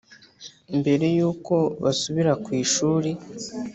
mbere y’uko basubira ku ishuli